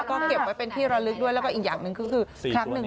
ก็เก็บไว้เป็นที่ระลึกด้วยแล้วก็อีกอย่างหนึ่งก็คือครั้งหนึ่ง